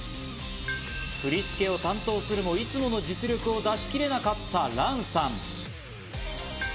振り付けを担当するも、いつもの実力を出し切れなかったランさん。